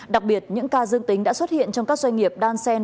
đặc biệt những ca dương tính đã xuất hiện trong các doanh nghiệp đan sen